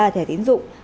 ba thẻ tiến dụng